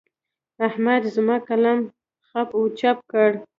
احمد زما قلم خپ و چپ کړ.